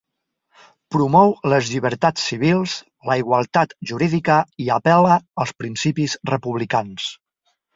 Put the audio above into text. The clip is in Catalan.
Promou les llibertats civils, la igualtat jurídica i apel·la als principis republicans.